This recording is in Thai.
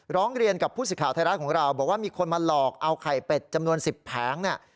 ร้องเรียนกับผู้สิทธิ์ไทยรัฐของเราบอกว่ามีคนมาหลอกเอาไข่เป็ดจำนวน๑๐แผงเนี่ย